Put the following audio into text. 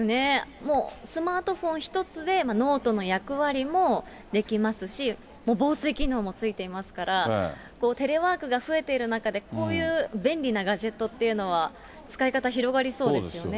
もうスマートフォン一つで、ノートの役割もできますし、もう防水機能もついていますから、テレワークが増えている中で、こういう便利なガジェットっていうのは、使い方、広がりそうですよね。